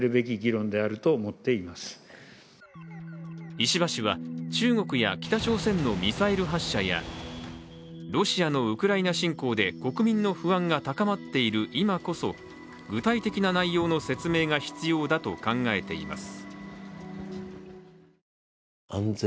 石破氏は中国や北朝鮮のミサイル発射やロシアのウクライナ侵攻で、国民の不安が高まっている今こそ具体的な内容の説明が必要だと考えています。